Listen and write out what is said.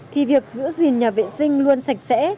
thì việc giữ gìn nhà vệ sinh luôn sạch sẽ